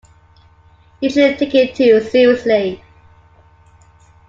You shouldn't take it too seriously.